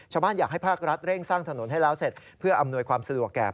อยากให้ภาครัฐเร่งสร้างถนนให้แล้วเสร็จเพื่ออำนวยความสะดวกแก่